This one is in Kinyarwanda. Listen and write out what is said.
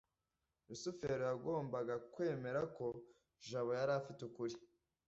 rusufero yagombaga kwemera ko jabo yari afite ukuri